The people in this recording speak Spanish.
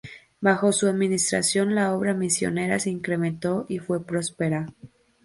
Bajo su administración la obra misionera se incrementó y fue próspera.